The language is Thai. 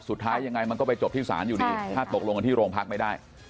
สุดท้ายยังไงมันก็ไปจบที่ศาลอยู่ดีถ้าตกลงกันที่โรงพักไม่ได้